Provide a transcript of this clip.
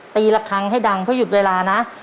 ละครั้งให้ดังเพราะหยุดเวลานะ